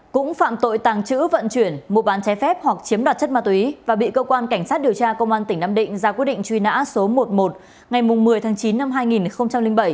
cũng phạm tội tàng trữ vận chuyển mua bán trái phép hoặc chiếm đoạt chất ma túy và bị cơ quan cảnh sát điều tra công an tỉnh nam định ra quyết định truy nã số một mươi một ngày một mươi tháng chín năm hai nghìn bảy